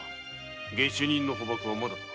下手人の捕縛はまだか？